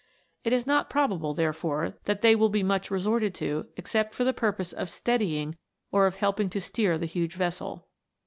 It is not probable, therefore, that they will be much resorted to except for the purpose of steadying or of helping to steer the huge vessel.